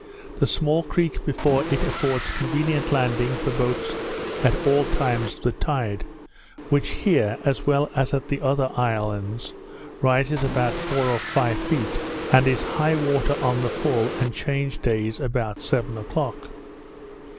The small creek before it affords convenient landing for boats at all times of the tide; which here, as well as at the other islands, rises about four or five feet, and is high water on the full and change days about seven o'clock.